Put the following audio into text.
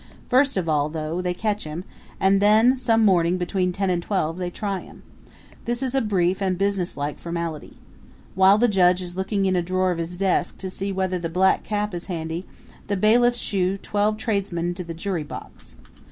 First of all, though, they catch him; and then some morning between ten and twelve they try him. This is a brief and businesslike formality. While the judge is looking in a drawer of his desk to see whether the black cap is handy the bailiffs shoo twelve tradesmen into the jury box.